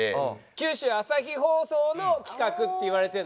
九州朝日放送の企画って言われてるんだよね？